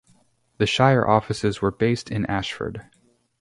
The shire offices were based in Ashford.